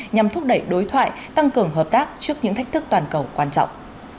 nhằm thúc đẩy đối thoại tăng cường hợp tác trước những thách thức toàn cầu quan trọng